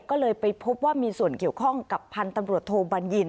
ก็เลยไปพบว่ามีส่วนเกี่ยวข้องกับพันธุ์ตำรวจโทบัญญิน